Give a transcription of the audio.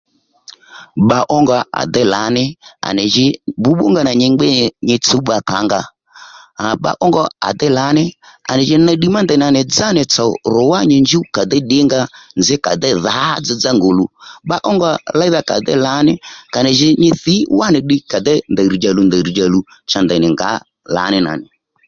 Bba ónga à déy lǎní à nì jǐ bbǔbbú nga nà nyi ngbí nyi nyi tsǔw bba kǎó nga bba ónga à déy lǎní à ji ddiy má ney ndèy nà nì dzá nì tsòw à déy ddǐngǎ nzǐ ddiy ká dey dhǎ dzá dzá ngòluw bba ónga léydha à déy lǎní kà nì jǐ nyi thǐ wánì ddiy kà déy ndèy rr̀dja òluw ndèy rr̀dja òluw ndèy nì ngǎ lǎnà nì